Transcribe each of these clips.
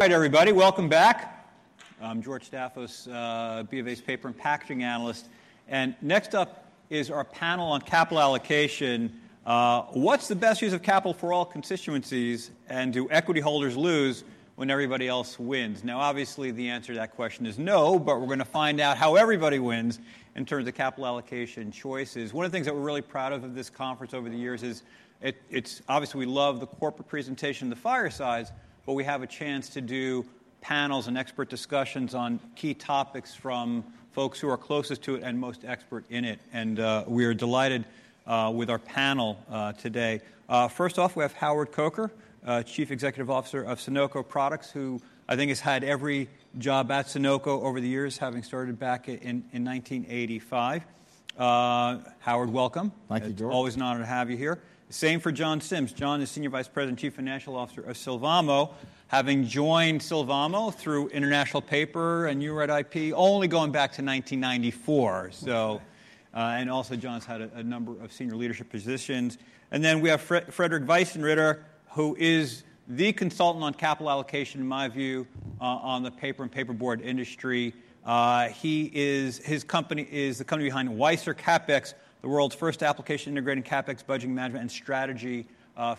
All right, everybody. Welcome back. I'm George Staphos, BofA's paper and packaging analyst. And next up is our panel on capital allocation. What's the best use of capital for all constituencies, and do equity holders lose when everybody else wins? Now, obviously, the answer to that question is no, but we're going to find out how everybody wins in terms of capital allocation choices. One of the things that we're really proud of at this conference over the years is, obviously, we love the corporate presentation of the firesides, but we have a chance to do panels and expert discussions on key topics from folks who are closest to it and most expert in it. And we are delighted with our panel today. First off, we have Howard Coker, Chief Executive Officer of Sonoco Products, who I think has had every job at Sonoco over the years, having started back in 1985. Howard, welcome. Thank you, George. Always an honor to have you here. Same for John Sims. John is Senior Vice President, Chief Financial Officer of Sylvamo, having joined Sylvamo through International Paper and from IP, only going back to 1994, and also, John's had a number of senior leadership positions, and then we have Fredrik Weissenrieder, who is the consultant on capital allocation, in my view, on the paper and paperboard industry. His company is the company behind Weissr Capex, the world's first application-integrated CapEx budgeting management and strategy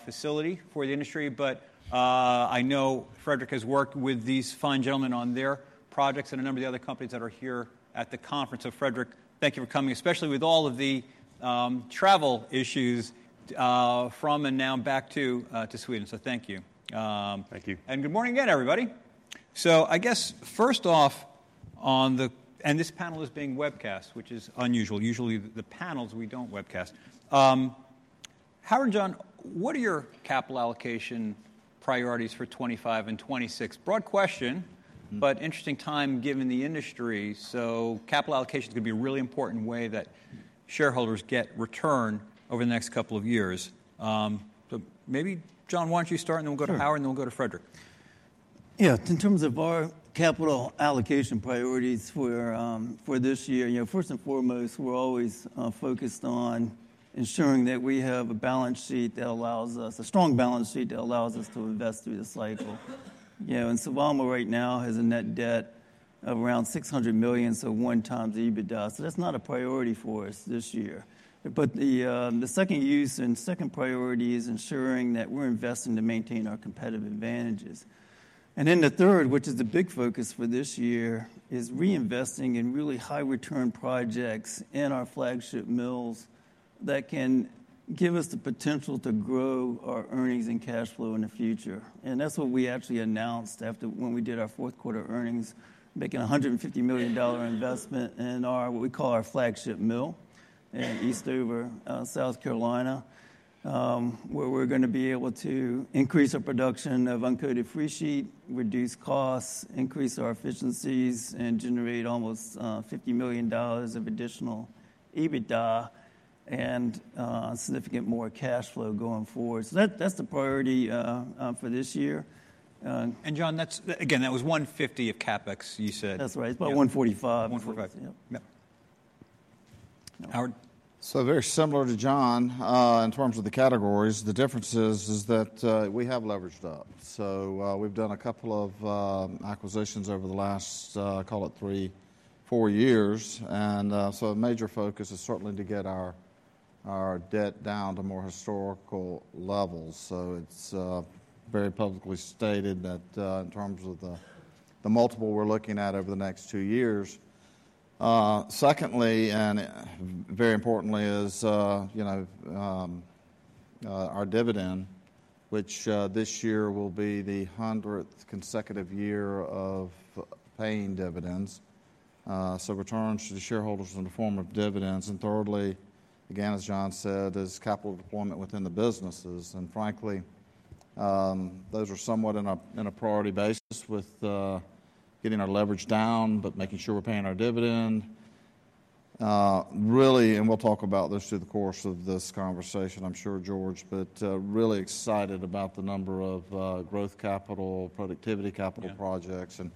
facility for the industry, but I know Fredrik has worked with these fine gentlemen on their projects and a number of the other companies that are here at the conference, so Fredrik, thank you for coming, especially with all of the travel issues from and now back to Sweden, so thank you. Thank you. Good morning again, everybody. I guess, first off, this panel is being webcast, which is unusual. Usually, the panels we don't webcast. Howard and John, what are your capital allocation priorities for 2025 and 2026? Broad question, but interesting time given the industry. Capital allocation is going to be a really important way that shareholders get return over the next couple of years. Maybe, John, why don't you start, and then we'll go to Howard, and then we'll go to Fredrik. Yeah. In terms of our capital allocation priorities for this year, first and foremost, we're always focused on ensuring that we have a balance sheet that allows us, a strong balance sheet that allows us to invest through the cycle. And Sylvamo right now has a net debt of around $600 million, so one times EBITDA. So that's not a priority for us this year. But the second use and second priority is ensuring that we're investing to maintain our competitive advantages. And then the third, which is the big focus for this year, is reinvesting in really high-return projects in our flagship mills that can give us the potential to grow our earnings and cash flow in the future. That's what we actually announced after when we did our fourth quarter earnings, making a $150 million investment in what we call our flagship mill in Eastover, South Carolina, where we're going to be able to increase our production of uncoated freesheet, reduce costs, increase our efficiencies, and generate almost $50 million of additional EBITDA and significant more cash flow going forward. That's the priority for this year. John, again, that was 150 of CapEx, you said. That's right. It's about 145. 145. Yep. Yep. Howard? So very similar to John in terms of the categories, the difference is that we have leveraged up. So we've done a couple of acquisitions over the last, call it three, four years. And so a major focus is certainly to get our debt down to more historical levels. So it's very publicly stated that in terms of the multiple we're looking at over the next two years. Secondly, and very importantly, is our dividend, which this year will be the 100th consecutive year of paying dividends. So returns to shareholders in the form of dividends. And thirdly, again, as John said, is capital deployment within the businesses. And frankly, those are somewhat on a priority basis with getting our leverage down, but making sure we're paying our dividend. Really, and we'll talk about this through the course of this conversation, I'm sure, George, but really excited about the number of growth capital, productivity capital projects, and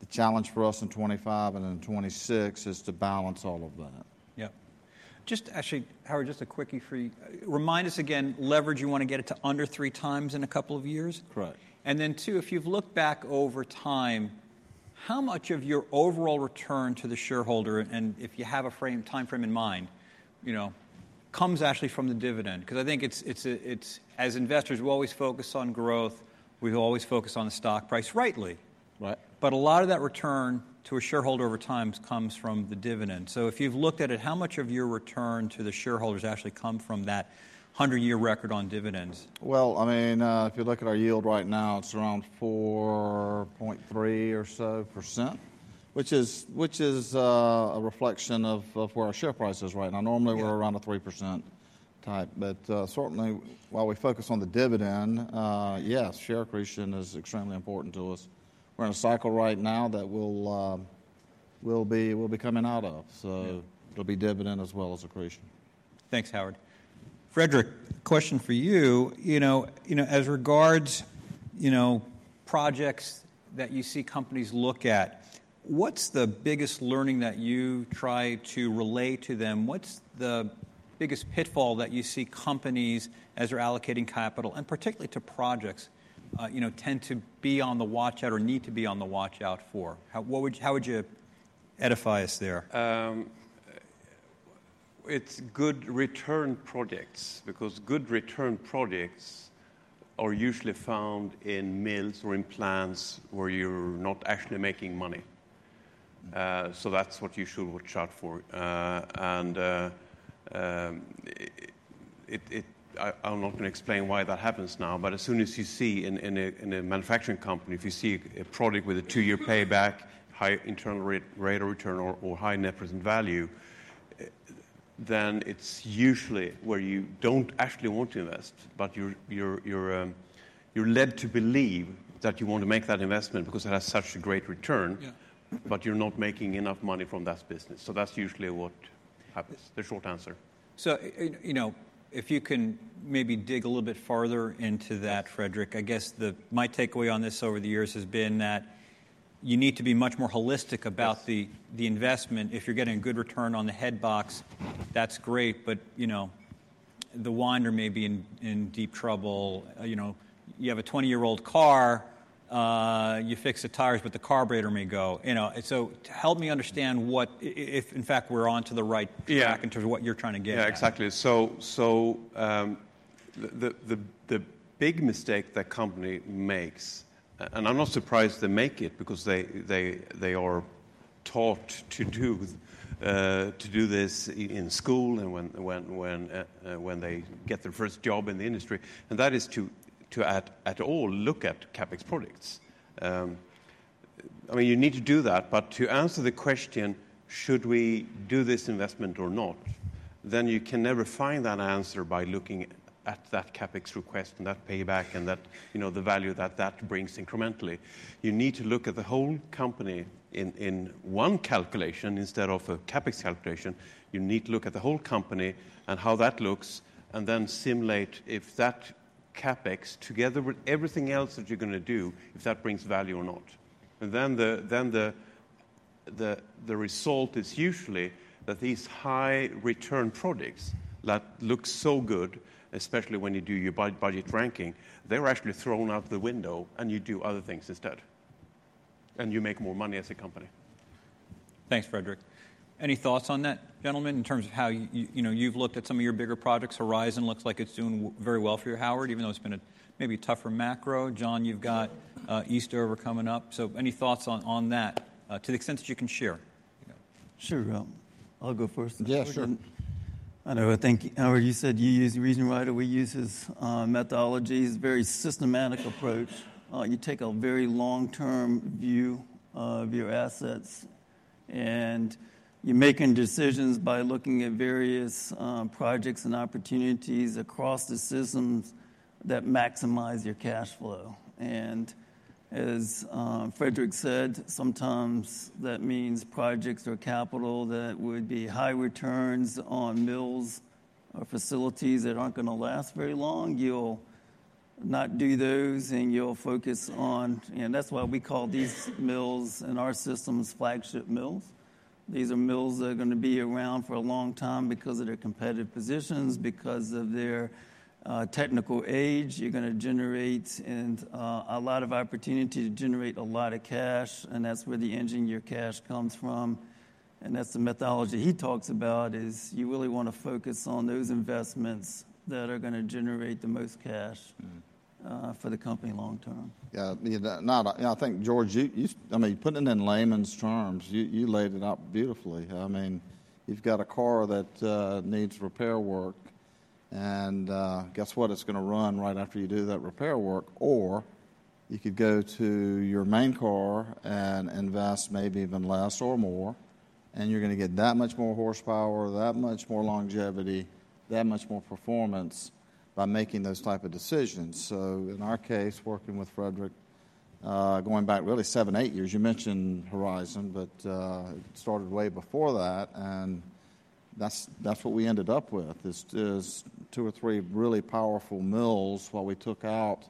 the challenge for us in 2025 and in 2026 is to balance all of that. Yep. Just actually, Howard, just a quickie for you. Remind us again, leverage, you want to get it to under three times in a couple of years? Correct. And then two, if you've looked back over time, how much of your overall return to the shareholder, and if you have a time frame in mind, comes actually from the dividend? Because I think as investors, we always focus on growth. We always focus on the stock price rightly. But a lot of that return to a shareholder over time comes from the dividend. So if you've looked at it, how much of your return to the shareholders actually comes from that 100-year record on dividends? Well, I mean, if you look at our yield right now, it's around 4.3% or so, which is a reflection of where our share price is right now. Normally, we're around a 3% type. But certainly, while we focus on the dividend, yes, share accretion is extremely important to us. We're in a cycle right now that we'll be coming out of. So it'll be dividend as well as accretion. Thanks, Howard. Fredrik, question for you. As regards projects that you see companies look at, what's the biggest learning that you try to relay to them? What's the biggest pitfall that you see companies, as they're allocating capital, and particularly to projects, tend to be on the watch out or need to be on the watch out for? How would you edify us there? It's good return projects, because good return projects are usually found in mills or in plants where you're not actually making money. So that's what you should watch out for, and I'm not going to explain why that happens now, but as soon as you see in a manufacturing company, if you see a product with a two-year payback, high internal rate of return, or high net present value, then it's usually where you don't actually want to invest, but you're led to believe that you want to make that investment because it has such a great return, but you're not making enough money from that business, so that's usually what happens. The short answer. So if you can maybe dig a little bit farther into that, Fredrik, I guess my takeaway on this over the years has been that you need to be much more holistic about the investment. If you're getting a good return on the headbox, that's great, but the winder may be in deep trouble. You have a 20-year-old car. You fix the tires, but the carburetor may go. So help me understand what, if in fact we're onto the right track in terms of what you're trying to get at. Yeah, exactly. So the big mistake that company makes, and I'm not surprised they make it because they are taught to do this in school and when they get their first job in the industry, and that is to, at all, look at CapEx projects. I mean, you need to do that. But to answer the question, should we do this investment or not, then you can never find that answer by looking at that CapEx request and that payback and the value that that brings incrementally. You need to look at the whole company in one calculation instead of a CapEx calculation. You need to look at the whole company and how that looks, and then simulate if that CapEx, together with everything else that you're going to do, if that brings value or not. Then the result is usually that these high return products that look so good, especially when you do your budget ranking, they're actually thrown out the window, and you do other things instead. You make more money as a company. Thanks, Fredrik. Any thoughts on that, gentlemen, in terms of how you've looked at some of your bigger projects? Horizon looks like it's doing very well for you, Howard, even though it's been maybe tougher macro. John, you've got Eastover coming up. So any thoughts on that to the extent that you can share? Sure. I'll go first. Yeah, sure. I know. I think, Howard, you said you use the reason why we use his methodology, his very systematic approach. You take a very long-term view of your assets, and you're making decisions by looking at various projects and opportunities across the systems that maximize your cash flow. And as Fredrik said, sometimes that means projects or capital that would be high returns on mills or facilities that aren't going to last very long. You'll not do those, and you'll focus on, and that's why we call these mills in our systems flagship mills. These are mills that are going to be around for a long time because of their competitive positions, because of their technical age. You're going to generate a lot of opportunity to generate a lot of cash, and that's where the engine your cash comes from. That's the methodology he talks about is you really want to focus on those investments that are going to generate the most cash for the company long term. Yeah. I think, George, I mean, putting it in layman's terms, you laid it out beautifully. I mean, you've got a car that needs repair work, and guess what? It's going to run right after you do that repair work. Or you could go to your main car and invest maybe even less or more, and you're going to get that much more horsepower, that much more longevity, that much more performance by making those type of decisions. So in our case, working with Fredrik, going back really seven, eight years, you mentioned Horizon, but it started way before that. And that's what we ended up with, is two or three really powerful mills while we took out,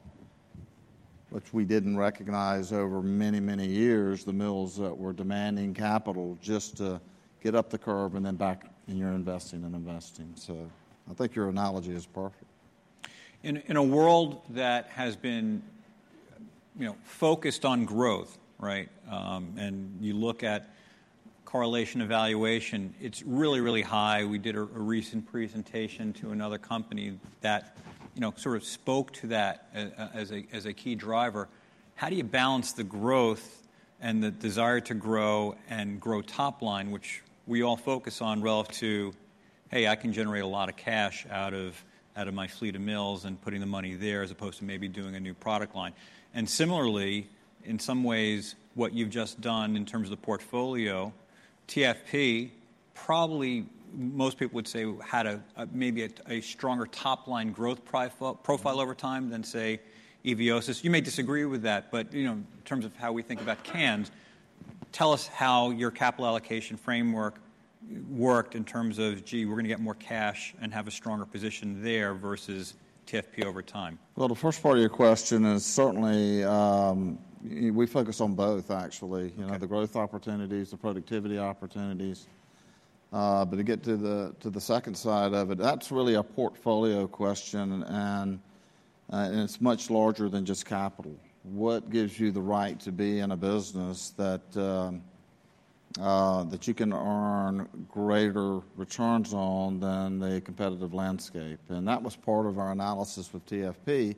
which we didn't recognize over many, many years, the mills that were demanding capital just to get up the curve and then back in your investing and investing. I think your analogy is perfect. In a world that has been focused on growth, right, and you look at capital allocation, it's really, really high. We did a recent presentation to another company that sort of spoke to that as a key driver. How do you balance the growth and the desire to grow and grow top line, which we all focus on relative to, hey, I can generate a lot of cash out of my fleet of mills and putting the money there as opposed to maybe doing a new product line? And similarly, in some ways, what you've just done in terms of the portfolio, TFP, probably most people would say had maybe a stronger top line growth profile over time than, say, Eviosys. You may disagree with that, but in terms of how we think about cans, tell us how your capital allocation framework worked in terms of, gee, we're going to get more cash and have a stronger position there versus TFP over time. The first part of your question is, certainly, we focus on both, actually, the growth opportunities, the productivity opportunities. But to get to the second side of it, that's really a portfolio question, and it's much larger than just capital. What gives you the right to be in a business that you can earn greater returns on than the competitive landscape? And that was part of our analysis with TFP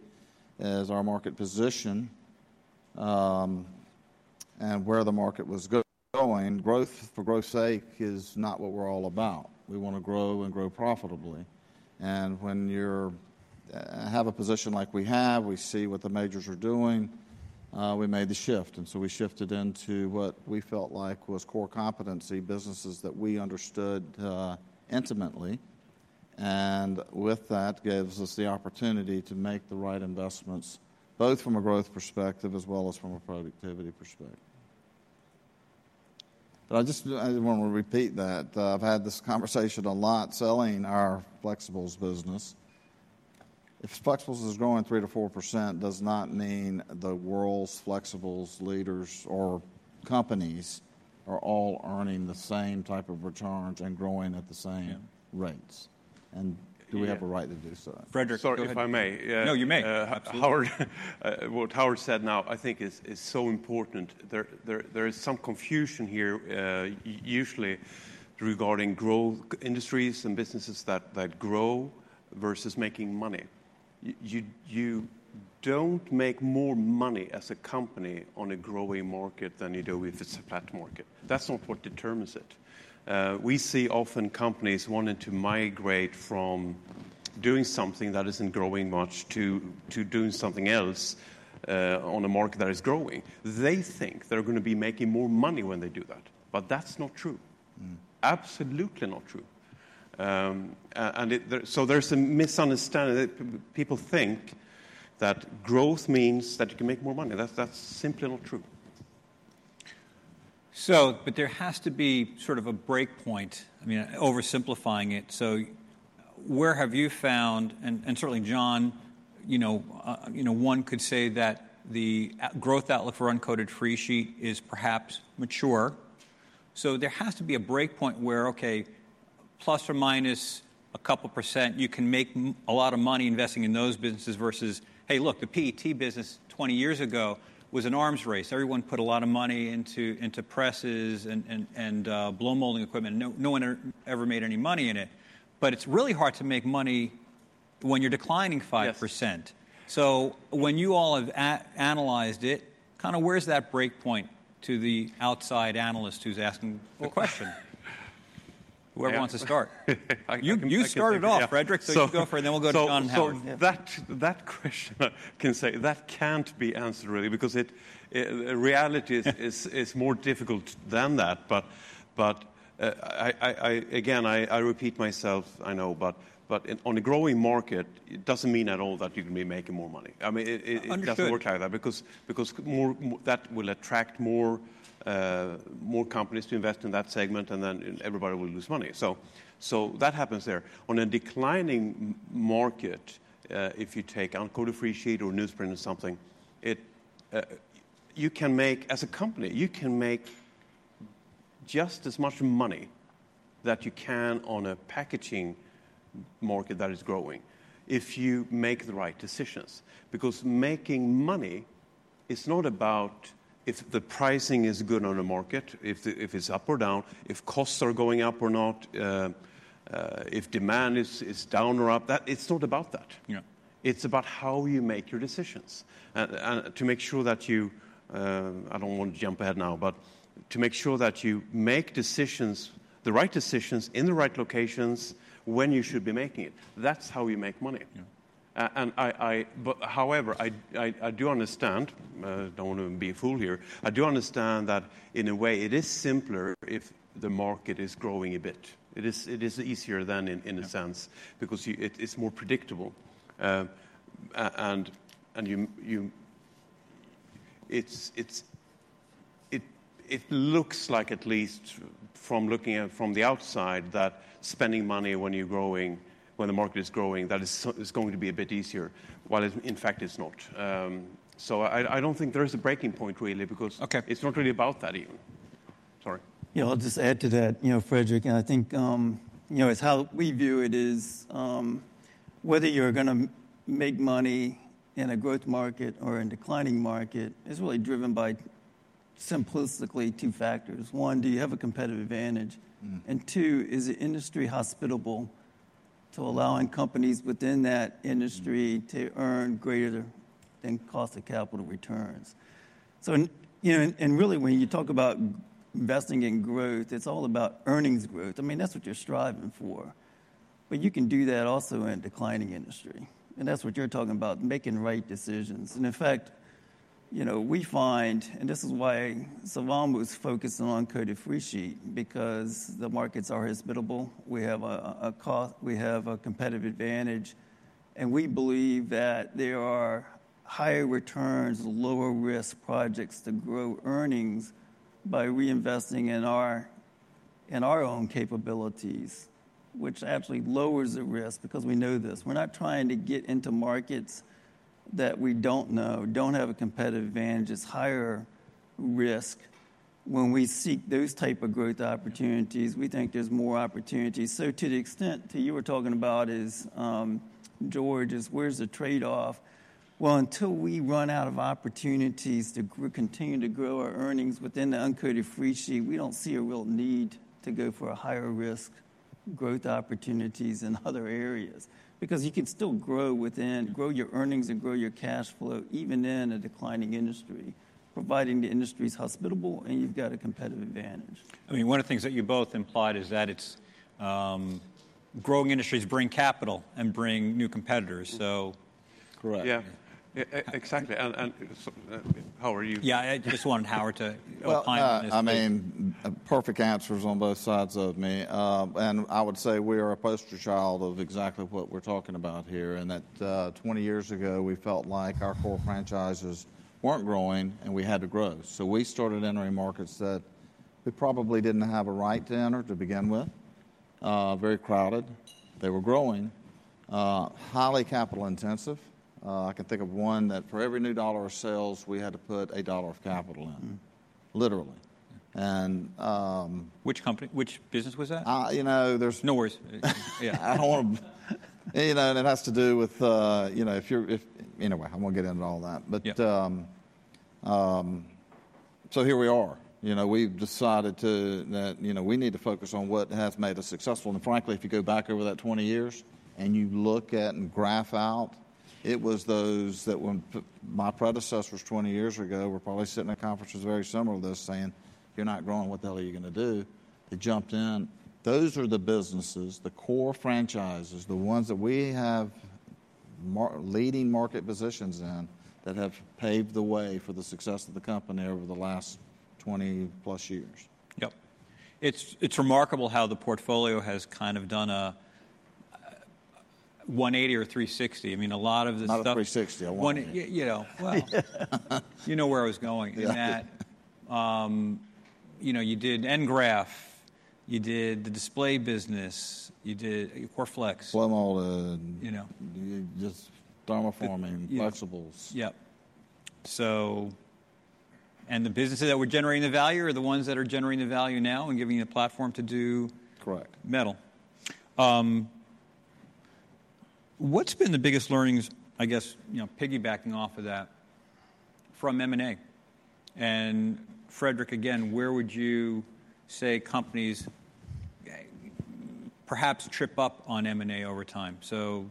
as our market position and where the market was going. Growth for growth's sake is not what we're all about. We want to grow and grow profitably. And when you have a position like we have, we see what the majors are doing, we made the shift. And so we shifted into what we felt like was core competency, businesses that we understood intimately. And with that, it gives us the opportunity to make the right investments, both from a growth perspective as well as from a productivity perspective. But I just want to repeat that. I've had this conversation a lot selling our flexibles business. If flexibles is growing 3%-4%, it does not mean the world's flexibles leaders or companies are all earning the same type of returns and growing at the same rates. And do we have a right to do so? Fredrik. Sorry, if I may. No, you may. Howard, what Howard said now, I think, is so important. There is some confusion here, usually regarding growth industries and businesses that grow versus making money. You don't make more money as a company on a growing market than you do if it's a flat market. That's not what determines it. We see often companies wanting to migrate from doing something that isn't growing much to doing something else on a market that is growing. They think they're going to be making more money when they do that. But that's not true. Absolutely not true. And so there's a misunderstanding that people think that growth means that you can make more money. That's simply not true. But there has to be sort of a breakpoint, I mean, oversimplifying it. So where have you found, and certainly, John, one could say that the growth outlook for uncoated freesheet is perhaps mature. So there has to be a breakpoint where, okay, plus or minus a couple%, you can make a lot of money investing in those businesses versus, hey, look, the PET business 20 years ago was an arms race. Everyone put a lot of money into presses and blow molding equipment. No one ever made any money in it. But it's really hard to make money when you're declining 5%. So when you all have analyzed it, kind of where's that breakpoint to the outside analyst who's asking the question? Whoever wants to start. You started off, Fredrik, so you can go first, and then we'll go to John. That question, I can say, that can't be answered, really, because the reality is more difficult than that. But again, I repeat myself, I know, but on a growing market, it doesn't mean at all that you're going to be making more money. I mean, it doesn't work like that because that will attract more companies to invest in that segment, and then everybody will lose money. So that happens there. On a declining market, if you take uncoated freesheet or newsprint or something, you can make, as a company, you can make just as much money that you can on a packaging market that is growing if you make the right decisions. Because making money is not about if the pricing is good on a market, if it's up or down, if costs are going up or not, if demand is down or up. It's not about that. It's about how you make your decisions and to make sure that you--I don't want to jump ahead now--but to make sure that you make decisions, the right decisions in the right locations when you should be making it, that's how you make money. However, I do understand--I don't want to be a fool here--I do understand that in a way, it is simpler if the market is growing a bit. It is easier then, in a sense, because it's more predictable and it looks like, at least from looking at it from the outside, that spending money when the market is growing, that it's going to be a bit easier, while in fact, it's not, so I don't think there is a breaking point, really, because it's not really about that even. Sorry. Yeah, I'll just add to that, Fredrik. And I think it's how we view it is whether you're going to make money in a growth market or in a declining market is really driven by simplistically two factors. One, do you have a competitive advantage? And two, is the industry hospitable to allowing companies within that industry to earn greater than cost of capital returns? And really, when you talk about investing in growth, it's all about earnings growth. I mean, that's what you're striving for. But you can do that also in a declining industry. And that's what you're talking about, making right decisions. And in fact, we find, and this is why Sylvamo is focused on uncoated freesheet, because the markets are hospitable, we have a competitive advantage, and we believe that there are higher returns, lower risk projects to grow earnings by reinvesting in our own capabilities, which actually lowers the risk because we know this. We're not trying to get into markets that we don't know, don't have a competitive advantage, it's higher risk. When we seek those types of growth opportunities, we think there's more opportunity. So to the extent that you were talking about is, George, is where's the trade-off? Well, until we run out of opportunities to continue to grow our earnings within the uncoated freesheet, we don't see a real need to go for higher risk growth opportunities in other areas. Because you can still grow your earnings and grow your cash flow even in a declining industry, providing the industry's hospitable, and you've got a competitive advantage. I mean, one of the things that you both implied is that growing industries bring capital and bring new competitors. So. Correct. Yeah. Exactly. And Howard, you. Yeah, I just wanted Howard to opine on this. I mean, perfect answers on both sides of me. And I would say we are a poster child of exactly what we're talking about here, and that 20 years ago, we felt like our core franchises weren't growing, and we had to grow. So we started entering markets that we probably didn't have a right to enter to begin with, very crowded. They were growing, highly capital intensive. I can think of one that for every new dollar of sales, we had to put a dollar of capital in, literally. And. Which company? Which business was that? You know, there's. No worries. Yeah, I don't want to, you know, and it has to do with, you know, if you're—anyway, I won't get into all that. But so here we are. We've decided that we need to focus on what has made us successful. And frankly, if you go back over that 20 years and you look at and graph out, it was those that when my predecessors 20 years ago were probably sitting in conferences very similar to this saying, "You're not growing. What the hell are you going to do?" They jumped in. Those are the businesses, the core franchises, the ones that we have leading market positions in that have paved the way for the success of the company over the last 20-plus years. Yep. It's remarkable how the portfolio has kind of done a 180 or 360. I mean, a lot of the stuff. Not 360. I want to. You know where I was going. You did Engraph. You did the display business. You did CorrFlex. Blow molding. You know. Just thermoforming, flexibles. Yep. And the businesses that were generating the value are the ones that are generating the value now and giving you the platform to do. Correct. Metal. What's been the biggest learnings, I guess, piggybacking off of that from M&A? And Fredrik, again, where would you say companies perhaps trip up on M&A over time? So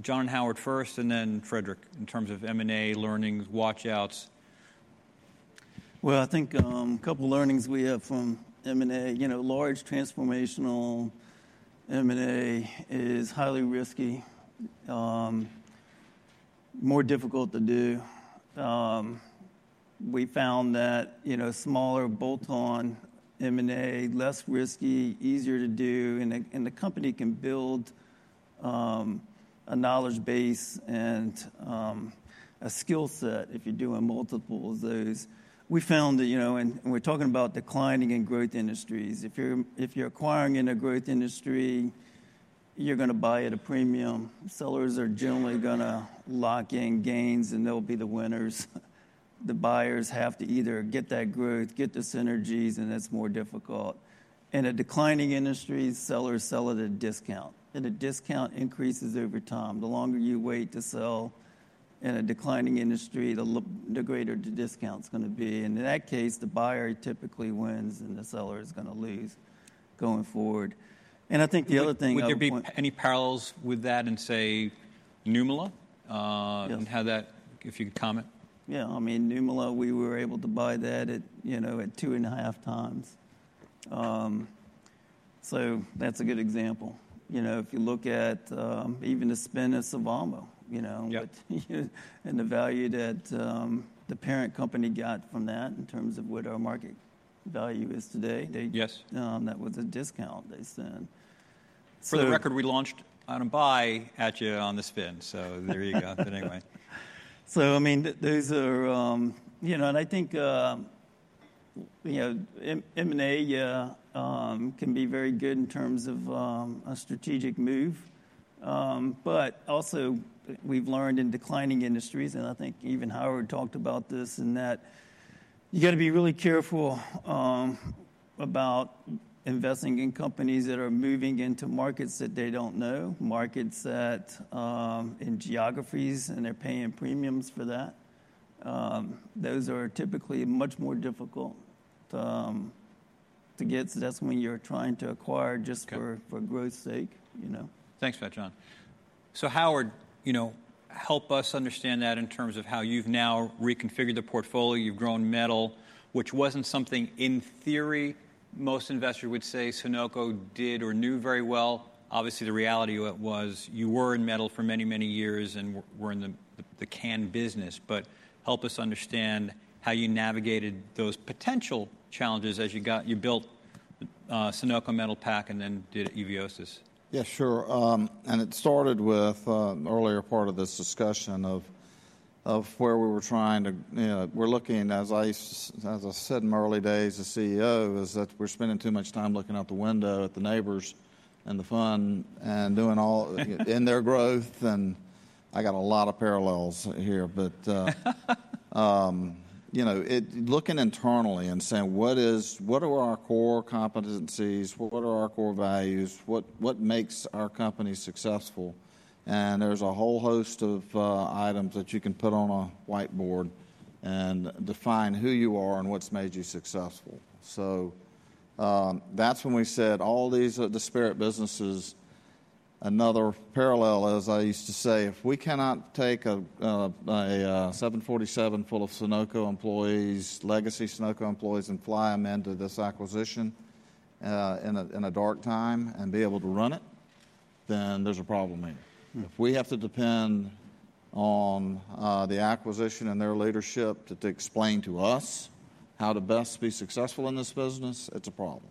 John and Howard first, and then Fredrik in terms of M&A learnings, watch outs. I think a couple of learnings we have from M&A. Large transformational M&A is highly risky, more difficult to do. We found that smaller bolt-on M&A, less risky, easier to do, and the company can build a knowledge base and a skill set if you're doing multiple of those. We found that, and we're talking about declining and growth industries, if you're acquiring in a growth industry, you're going to buy at a premium. Sellers are generally going to lock in gains, and they'll be the winners. The buyers have to either get that growth, get the synergies, and that's more difficult. In a declining industry, sellers sell at a discount, and the discount increases over time. The longer you wait to sell in a declining industry, the greater the discount's going to be. In that case, the buyer typically wins, and the seller is going to lose going forward. I think the other thing. Would there be any parallels with that in, say, Nymölla? If you could comment. Yeah, I mean, Nymölla, we were able to buy that at two and a half times. So that's a good example. If you look at even the spin of Sylvamo and the value that the parent company got from that in terms of what our market value is today, that was a discount they sent. For the record, we launched on a buy at Sylvamo on the spin. So there you go. But anyway. So I mean, those are, and I think M&A can be very good in terms of a strategic move. But also, we've learned in declining industries, and I think even Howard talked about this and that, you've got to be really careful about investing in companies that are moving into markets that they don't know, markets in geographies, and they're paying premiums for that. Those are typically much more difficult to get. So that's when you're trying to acquire just for growth's sake. Thanks for that, John. So Howard, help us understand that in terms of how you've now reconfigured the portfolio. You've grown metal, which wasn't something, in theory, most investors would say Sonoco did or knew very well. Obviously, the reality was you were in metal for many, many years and were in the canned business. But help us understand how you navigated those potential challenges as you built Sonoco Metalpack and then did Eviosys. Yeah, sure. And it started with an earlier part of this discussion of where we're looking, as I said in my early days as CEO, is that we're spending too much time looking out the window at the neighbors and the fun and doing all in their growth. And I got a lot of parallels here. But looking internally and saying, what are our core competencies? What are our core values? What makes our company successful? And there's a whole host of items that you can put on a whiteboard and define who you are and what's made you successful. So that's when we said all these disparate businesses. Another parallel is I used to say, if we cannot take a 747 full of Sonoco employees, legacy Sonoco employees, and fly them into this acquisition in a dark time and be able to run it, then there's a problem here. If we have to depend on the acquisition and their leadership to explain to us how to best be successful in this business, it's a problem.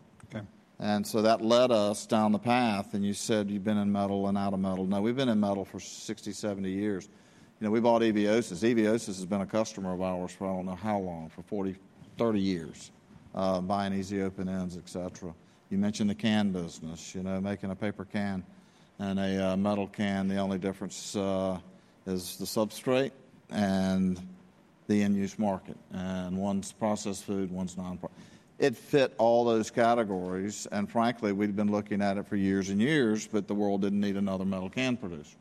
And so that led us down the path. And you said you've been in metal and out of metal. Now, we've been in metal for 60-70 years. We bought Eviosys. Eviosys has been a customer of ours for I don't know how long, for 30 years, buying easy open ends, et cetera. You mentioned the canned business, making a paper can and a metal can. The only difference is the substrate and the end-use market. And one's processed food, one's non-processed. It fit all those categories. Frankly, we've been looking at it for years and years, but the world didn't need another metal can producer.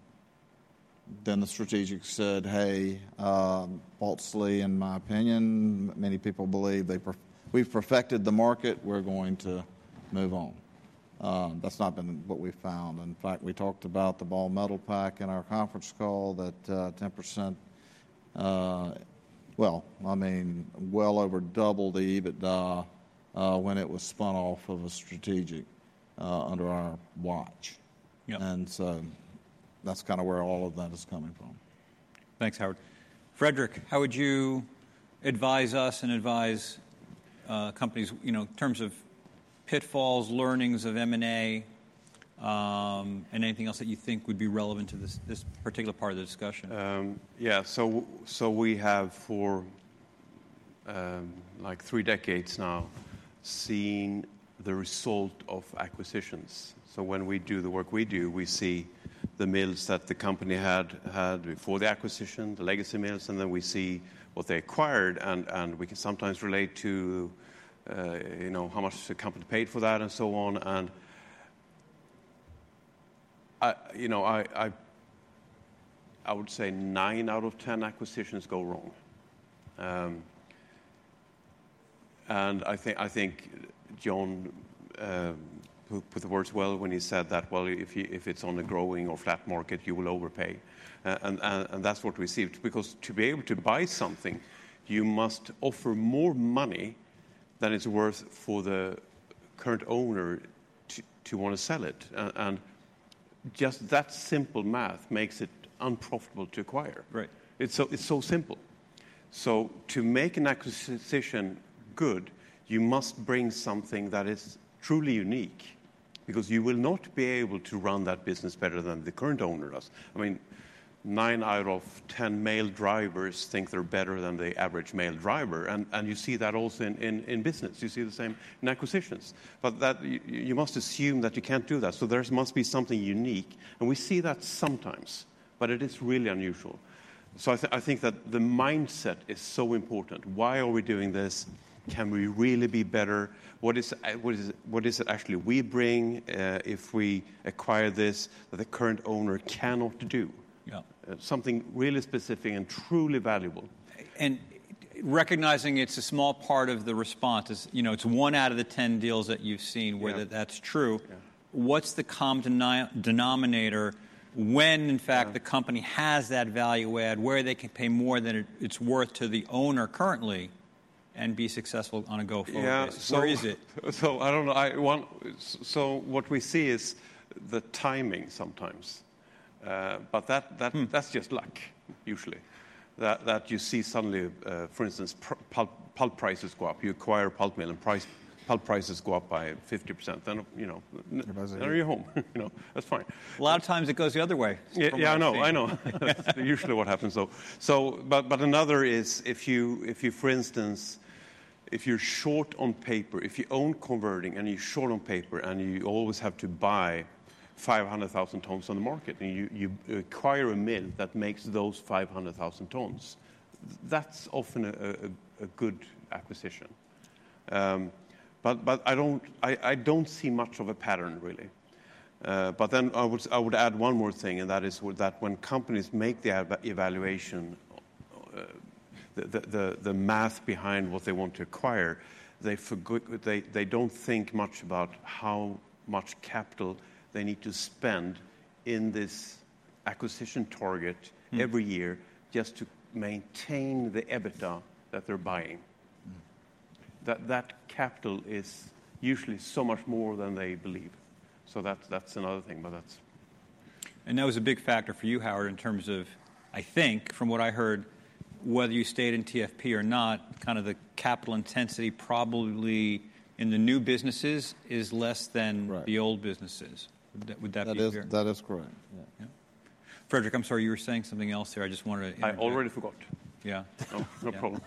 Then the strategic said, hey, falsely, in my opinion, many people believe we've perfected the market. We're going to move on. That's not been what we found. In fact, we talked about the Ball Metalpack in our conference call that 10%, well, I mean, well over double the EBITDA when it was spun off of a strategic under our watch. So that's kind of where all of that is coming from. Thanks, Howard. Fredrik, how would you advise us and advise companies in terms of pitfalls, learnings of M&A, and anything else that you think would be relevant to this particular part of the discussion? Yeah, so we have for like three decades now seen the result of acquisitions, so when we do the work we do, we see the mills that the company had before the acquisition, the legacy mills, and then we see what they acquired, and we can sometimes relate to how much the company paid for that and so on, and I would say nine out of 10 acquisitions go wrong, and I think John put the words well when he said that, well, if it's on a growing or flat market, you will overpay, and that's what we received. Because to be able to buy something, you must offer more money than it's worth for the current owner to want to sell it, and just that simple math makes it unprofitable to acquire. It's so simple. So to make an acquisition good, you must bring something that is truly unique because you will not be able to run that business better than the current owner does. I mean, nine out of 10 male drivers think they're better than the average male driver. And you see that also in business. You see the same in acquisitions. But you must assume that you can't do that. So there must be something unique. And we see that sometimes, but it is really unusual. So I think that the mindset is so important. Why are we doing this? Can we really be better? What is it actually we bring if we acquire this that the current owner cannot do? Something really specific and truly valuable. Recognizing it's a small part of the response, it's one out of the 10 deals that you've seen where that's true. What's the common denominator when, in fact, the company has that value add, where they can pay more than it's worth to the owner currently and be successful on a go-forward? Where is it? Yeah, so I don't know. So what we see is the timing sometimes. But that's just luck, usually, that you see suddenly, for instance, pulp prices go up. You acquire a pulp mill, and pulp prices go up by 50%. Then you're home. That's fine. A lot of times, it goes the other way. Yeah, I know. I know. That's usually what happens. But another is, if you, for instance, if you're short on paper, if you own converting and you're short on paper and you always have to buy 500,000 tons on the market, and you acquire a mill that makes those 500,000 tons, that's often a good acquisition. But I don't see much of a pattern, really. But then I would add one more thing, and that is that when companies make the evaluation, the math behind what they want to acquire, they don't think much about how much capital they need to spend in this acquisition target every year just to maintain the EBITDA that they're buying. That capital is usually so much more than they believe. So that's another thing. But that's. That was a big factor for you, Howard, in terms of, I think, from what I heard, whether you stayed in TFP or not, kind of the capital intensity probably in the new businesses is less than the old businesses. Would that be fair? That is correct. Yeah. Fredrik, I'm sorry, you were saying something else here. I just wanted to. I already forgot. Yeah. No problem.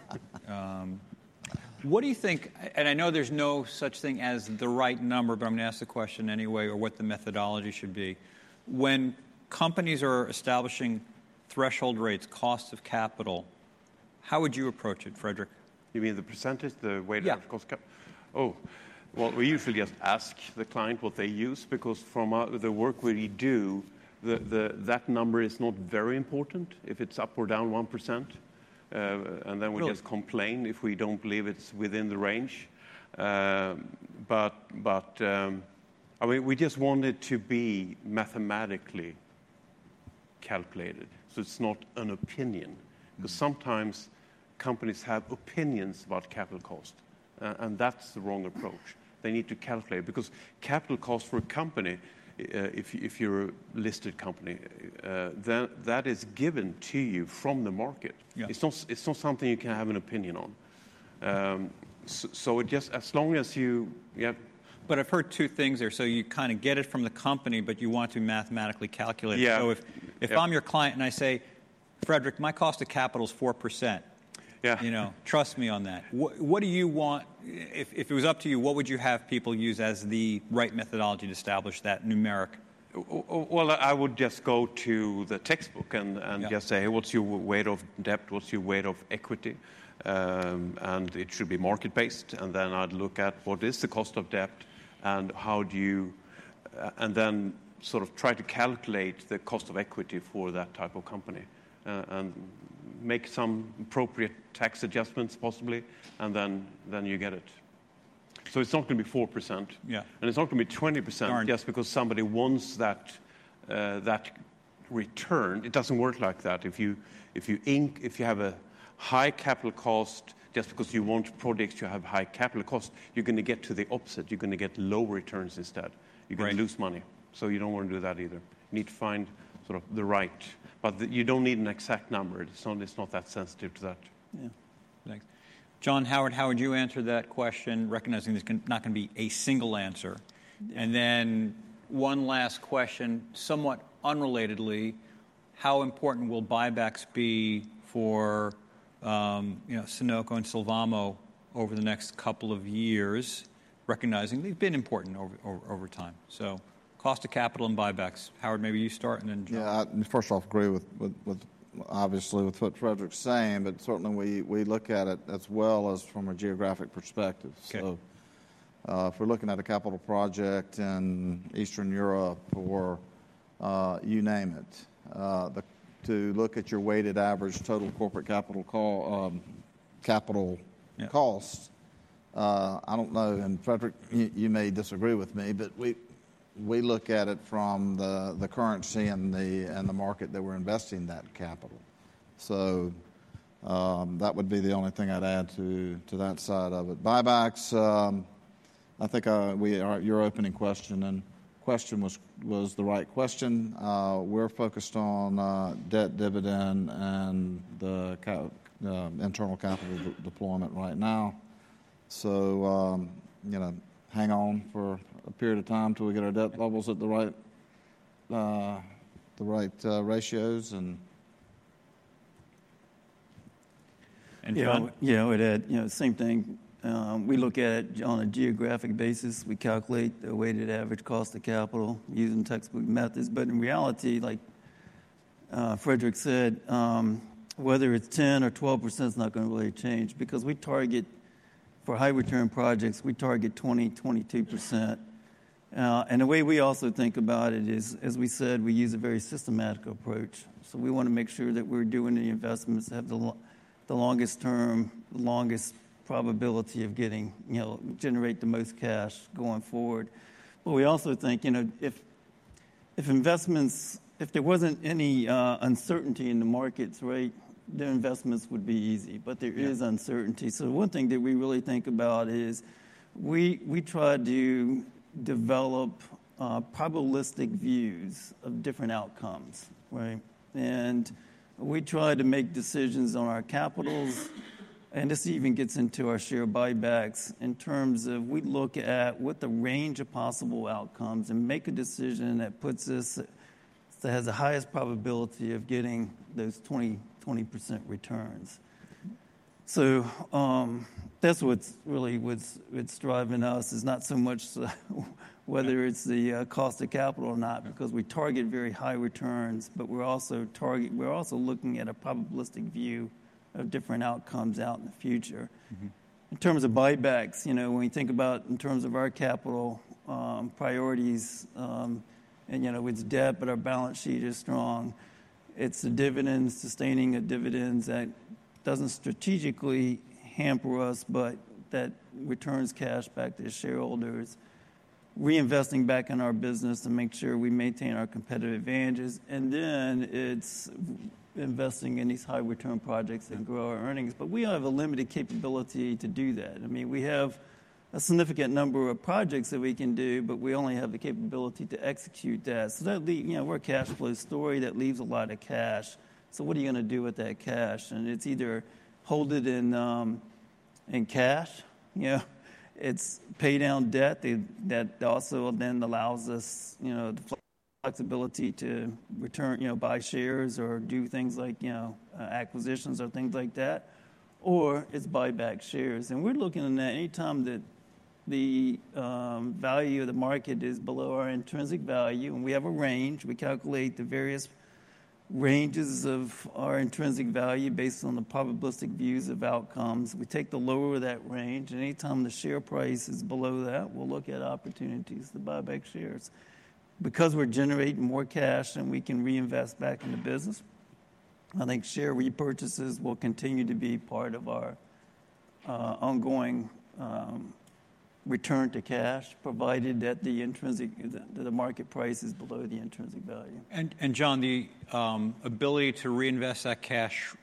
What do you think, and I know there's no such thing as the right number, but I'm going to ask the question anyway, or what the methodology should be? When companies are establishing threshold rates, cost of capital, how would you approach it, Fredrik? You mean the percentage, the weight of cost? Yeah. Oh, well, we usually just ask the client what they use because from the work we do, that number is not very important if it's up or down 1%. And then we just complain if we don't believe it's within the range. But I mean, we just want it to be mathematically calculated. So it's not an opinion. Because sometimes companies have opinions about capital cost. And that's the wrong approach. They need to calculate it. Because capital cost for a company, if you're a listed company, that is given to you from the market. It's not something you can have an opinion on. So as long as you. But I've heard two things there. So you kind of get it from the company, but you want to mathematically calculate it. Yeah So if I'm your client and I say, Fredrik, my cost of capital is 4%, trust me on that. What do you want? If it was up to you, what would you have people use as the right methodology to establish that numeric? I would just go to the textbook and just say, what's your weight of debt? What's your weight of equity? And it should be market-based. And then I'd look at what is the cost of debt and how do you and then sort of try to calculate the cost of equity for that type of company and make some appropriate tax adjustments, possibly. And then you get it. So it's not going to be 4%. And it's not going to be 20% just because somebody wants that return. It doesn't work like that. If you have a high capital cost just because you want products to have high capital cost, you're going to get to the opposite. You're going to get lower returns instead. You're going to lose money. So you don't want to do that either. You need to find sort of the right. But you don't need an exact number. It's not that sensitive to that. Yeah. Thanks. John, Howard, how would you answer that question, recognizing there's not going to be a single answer? And then one last question, somewhat unrelatedly, how important will buybacks be for Sonoco and Sylvamo over the next couple of years, recognizing they've been important over time? So cost of capital and buybacks. Howard, maybe you start and then John. Yeah, first off, agree with, obviously, with what Fredrik's saying. But certainly, we look at it as well as from a geographic perspective. So if we're looking at a capital project in Eastern Europe or you name it, to look at your weighted average total corporate capital cost, I don't know. And Fredrik, you may disagree with me, but we look at it from the currency and the market that we're investing that capital. So that would be the only thing I'd add to that side of it. Buybacks, I think your opening question was the right question. We're focused on debt, dividend, and the internal capital deployment right now. So hang on for a period of time until we get our debt levels at the right ratios. And John. Yeah, we did. Same thing. We look at it on a geographic basis. We calculate the weighted average cost of capital using textbook methods. But in reality, like Fredrik said, whether it's 10 or 12%, it's not going to really change. Because we target for high return projects, we target 20%-22%. And the way we also think about it is, as we said, we use a very systematic approach. So we want to make sure that we're doing the investments that have the longest term, the longest probability of generating the most cash going forward. But we also think if there wasn't any uncertainty in the markets, right, their investments would be easy. But there is uncertainty. So one thing that we really think about is we try to develop probabilistic views of different outcomes. And we try to make decisions on our capitals. And this even gets into our share buybacks in terms of we look at what the range of possible outcomes and make a decision that has the highest probability of getting those 20% returns. So that's what's really driving us is not so much whether it's the cost of capital or not, because we target very high returns. But we're also looking at a probabilistic view of different outcomes out in the future. In terms of buybacks, when we think about in terms of our capital priorities, and it's debt, but our balance sheet is strong, it's the dividends, sustaining the dividends that doesn't strategically hamper us, but that returns cash back to shareholders, reinvesting back in our business to make sure we maintain our competitive advantages. And then it's investing in these high return projects that grow our earnings. But we have a limited capability to do that. I mean, we have a significant number of projects that we can do, but we only have the capability to execute that. So we're a cash flow story that leaves a lot of cash. So what are you going to do with that cash? And it's either hold it in cash, it's pay down debt that also then allows us the flexibility to buy shares or do things like acquisitions or things like that, or it's buyback shares. And we're looking at any time that the value of the market is below our intrinsic value, and we have a range. We calculate the various ranges of our intrinsic value based on the probabilistic views of outcomes. We take the lower of that range. And any time the share price is below that, we'll look at opportunities to buy back shares. Because we're generating more cash and we can reinvest back in the business, I think share repurchases will continue to be part of our ongoing return to cash, provided that the market price is below the intrinsic value. John, the ability to reinvest that cash,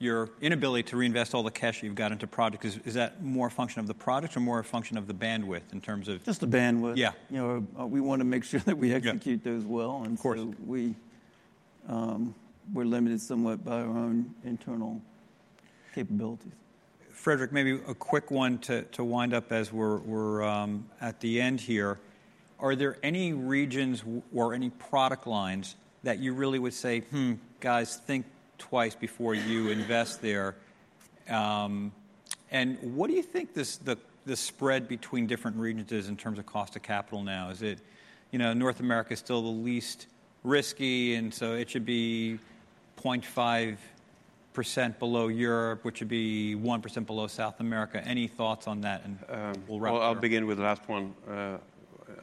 your inability to reinvest all the cash you've got into product, is that more a function of the product or more a function of the bandwidth in terms of? Just the bandwidth. Yeah. We want to make sure that we execute those well, and so we're limited somewhat by our own internal capabilities. Fredrik, maybe a quick one to wind up as we're at the end here. Are there any regions or any product lines that you really would say, guys, think twice before you invest there? And what do you think the spread between different regions is in terms of cost of capital now? Is it North America is still the least risky, and so it should be 0.5% below Europe, which would be 1% below South America. Any thoughts on that? Well, I'll begin with the last one.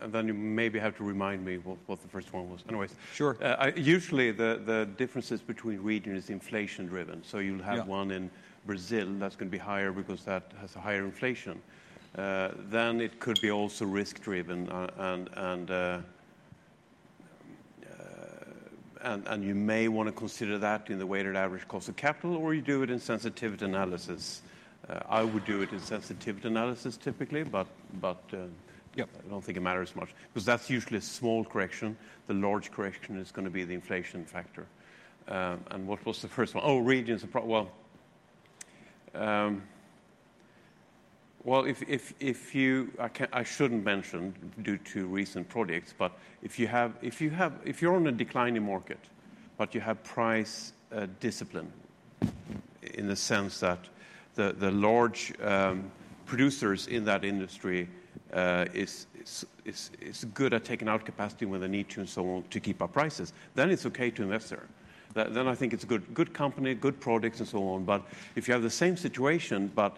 And then you maybe have to remind me what the first one was. Anyways. Sure. Usually, the differences between regions are inflation-driven. So you'll have one in Brazil that's going to be higher because that has a higher inflation. Then it could be also risk-driven. And you may want to consider that in the weighted average cost of capital, or you do it in sensitivity analysis. I would do it in sensitivity analysis, typically. But I don't think it matters much. Because that's usually a small correction. The large correction is going to be the inflation factor. And what was the first one? Oh, regions. Well, I shouldn't mention due to recent projects. But if you're on a declining market, but you have price discipline in the sense that the large producers in that industry are good at taking out capacity when they need to and so on to keep up prices, then it's okay to invest there. Then I think it's a good company, good products, and so on. But if you have the same situation, but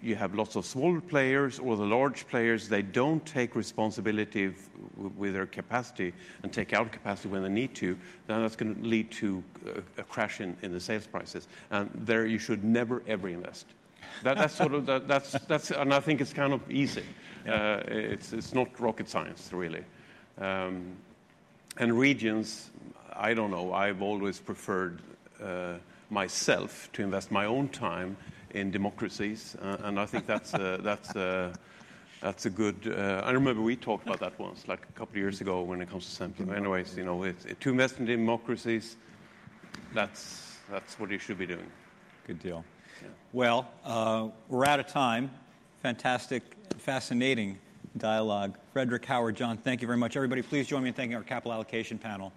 you have lots of smaller players or the large players, they don't take responsibility with their capacity and take out capacity when they need to, then that's going to lead to a crash in the sales prices. And there you should never, ever invest. And I think it's kind of easy. It's not rocket science, really. And regions, I don't know. I've always preferred myself to invest my own time in democracies. And I think that's a good. I remember we talked about that once, like a couple of years ago when it comes to something. Anyways, to invest in democracies, that's what you should be doing. Good deal. Well, we're out of time. Fantastic, fascinating dialogue. Fredrik, Howard, John, thank you very much. Everybody, please join me in thanking our capital allocation panel.